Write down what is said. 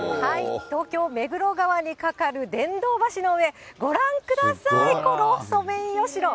東京・目黒川に架かるでんどう橋の上、ご覧ください、このソメイヨシノ。